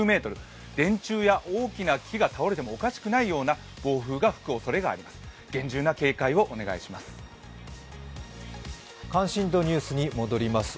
電柱や大きな木が倒れてもおかしくないような暴風が吹くおそれがあります。